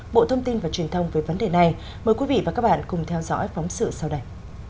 bộ thông tin và truyền thông về vấn đề này mời quý vị và các bạn cùng theo dõi phóng sự sau đây